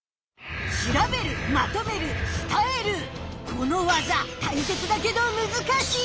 この技たいせつだけどむずかしい！